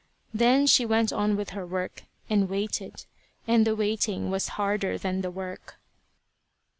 Then she went on with her work, and waited; and the waiting was harder than the work.